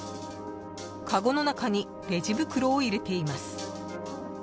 かごの中にレジ袋を入れています。